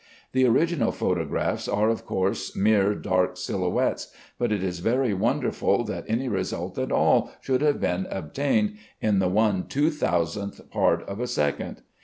The original photographs are of course mere dark silhouettes, but it is very wonderful that any result at all should have been obtained in the 1/2000th part of a second.